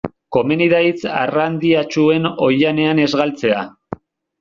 Komeni da hitz arrandiatsuen oihanean ez galtzea.